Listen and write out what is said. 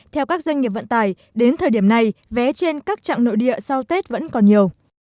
theo các doanh nghiệp vận tải đến thời điểm này vé trên các trạng nội địa sau tết vẫn còn nhiều